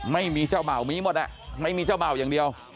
ไม่มีเจ้าเบ่ามีหมดไม่มีเจ้าเบ่าอย่างเดียว